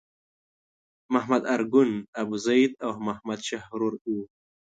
محمد ارګون، ابوزید او محمد شحرور وو.